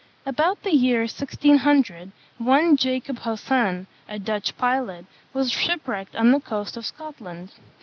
About the year 1600, one Jacob Haussen, a Dutch pilot, was shipwrecked on the coast of Scotland.